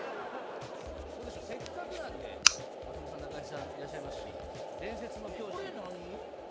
せっかくなんで松本さん中居さんいらっしゃいますし「伝説の教師」これ何？